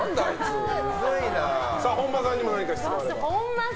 本間さんにも何か質問を。